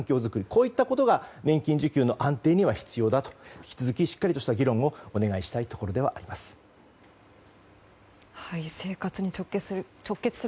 こういったことが年金受給の安定には必要だと引き続きしっかりした議論をお願いしたいところです。